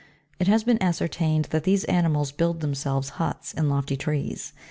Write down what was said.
It has been ascertained that these animals build themselves huts in lofty trees.